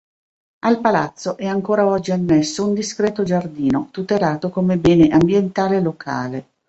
Al palazzo è ancora oggi annesso un discreto giardino, tutelato come bene ambientale locale.